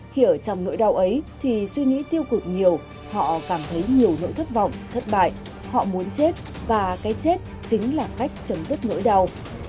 khi ở trong nỗi đau ấy thì suy nghĩ tiêu cực nhiều họ cảm thấy nhiều nỗi thất vọng thất bại họ muốn chết và cái chết chính là cách chấm dứt nỗi đau